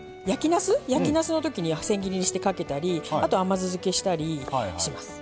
焼きなすのときに千切りにしてかけたりあと甘酢漬けしたりします。